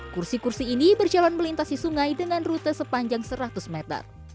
kursi kursi ini berjalan melintasi sungai dengan rute sepanjang seratus meter